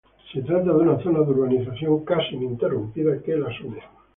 Se trata de una zona de urbanización casi ininterrumpida que las une.